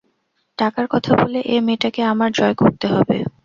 টাকার কথা বলে এ মেয়েটাকে আমার জয় করতে হবে!